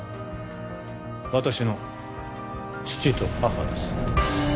私の父と母です